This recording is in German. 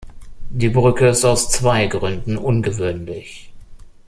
Die Brücke ist aus zwei Gründen ungewöhnlich.